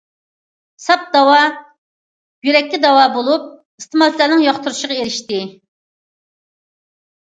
‹‹ ساپ داۋا›› يۈرەككە داۋا بولۇپ، ئىستېمالچىلارنىڭ ياقتۇرۇشىغا ئېرىشتى.